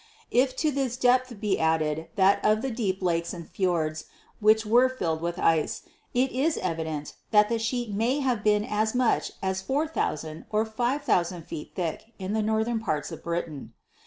If to this depth be added that of the deep lakes and fjords which were filled with ice, it is evident that the sheet may have been as much as 4,000 or 5,000 feet thick in the northern parts of Britain.